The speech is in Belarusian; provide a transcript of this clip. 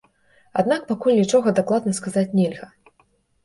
Аднак пакуль нічога дакладна сказаць нельга.